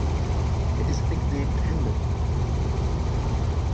He is nicknamed "Hendo".